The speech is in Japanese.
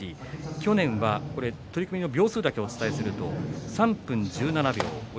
去年は取組の秒数をすべてお伝えすると３分１７秒。